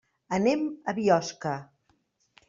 Anem a Biosca.